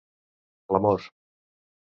L'amor